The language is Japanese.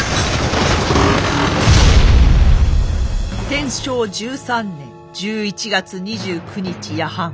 天正十三年１１月２９日夜半。